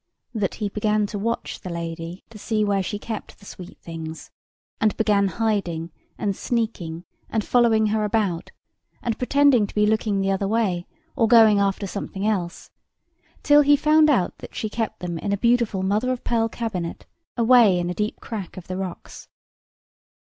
That he began to watch the lady to see where she kept the sweet things: and began hiding, and sneaking, and following her about, and pretending to be looking the other way, or going after something else, till he found out that she kept them in a beautiful mother of pearl cabinet away in a deep crack of the rocks.